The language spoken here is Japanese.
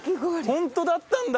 ホントだったんだ。